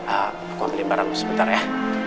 aku ambilin barang lu sebentar ya